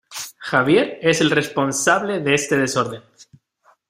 ¡Javier es el responsable de este desorden!